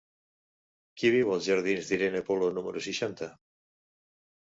Qui viu als jardins d'Irene Polo número seixanta?